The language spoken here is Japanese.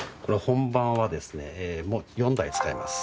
本番はですね４台使います。